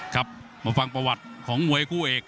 ครับมาฟังประวัติของมวยคู่เอก